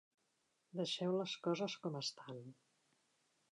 Deixeu les coses com estan.